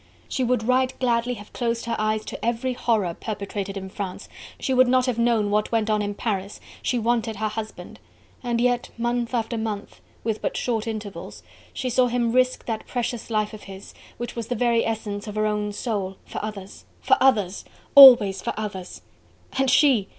She would right gladly have closed her eyes to every horror perpetrated in France, she would not have known what went on in Paris, she wanted her husband! And yet month after month, with but short intervals, she saw him risk that precious life of his, which was the very essence of her own soul, for others! for others! always for others! And she!